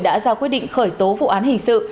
đã ra quyết định khởi tố vụ án hình sự